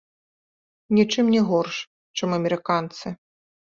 Нічым не горш, чым амерыканцы.